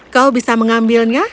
kau bisa mengambilnya